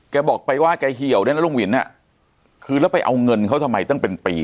บอกไปว่าแกเหี่ยวได้นะลุงวินอ่ะคือแล้วไปเอาเงินเขาทำไมตั้งเป็นปี